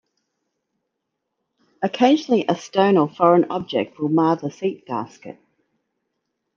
Occasionally a stone or foreign object will mar the seat gasket.